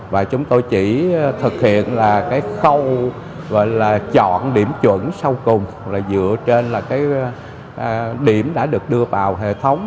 và chúng tôi chỉ thực hiện là cái khâu gọi là chọn điểm chuẩn sau cùng là dựa trên là cái điểm đã được đưa vào hệ thống